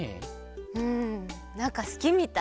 うんなんかすきみたい！